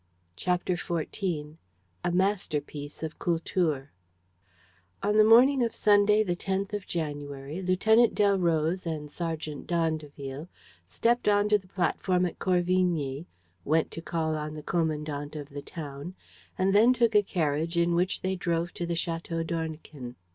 CHAPTER XIV A MASTERPIECE OF KULTUR On the morning of Sunday, the tenth of January, Lieutenant Delroze and Sergeant d'Andeville stepped on to the platform at Corvigny, went to call on the commandant of the town and then took a carriage in which they drove to the Château d'Ornequin.